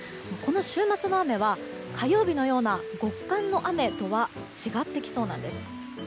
この週末の雨は火曜日のような極寒の雨とは違ってきそうです。